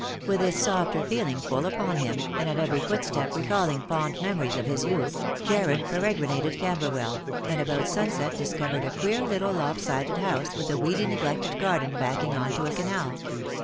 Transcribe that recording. With this softer feeling full upon him, and at every footstep recalling fond memories of his youth, Jarred peregrinated Camberwell, and about sunset discovered a queer little lop sided house, with a weedy neglected garden backing on to a canal.